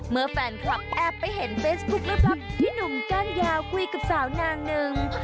เมื่อแฟนคลับแอบไปเห็นเฟซบุ๊กลับที่หนุ่มก้านยาวคุยกับสาวนางหนึ่ง